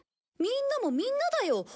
みんなもみんなだよ。